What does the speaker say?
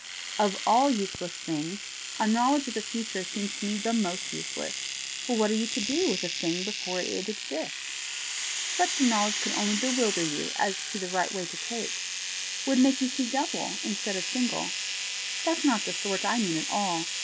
Of all useless things a knowledge of the future seems to me the most useless, for what are you to do with a thing before it exists? Such a knowledge could only bewilder you as to the right way to take would make you see double instead of single. That's not the sort I mean at all.